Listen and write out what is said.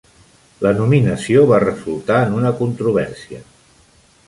La nominació va resultar en una controvèrsia.